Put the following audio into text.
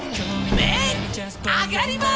麺上がります！